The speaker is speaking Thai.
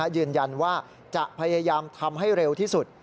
ยืนยันว่าจะพยายามทำให้เร็วที่สุด